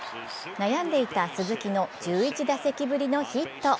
悩んでいた鈴木の１１打席ぶりのヒット。